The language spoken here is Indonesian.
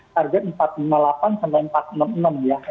target rp empat ratus lima puluh delapan sampai rp empat ratus enam puluh enam